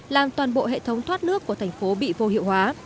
làm toàn bộ hệ thống thoát nước của thành phố bị vô hiệu hóa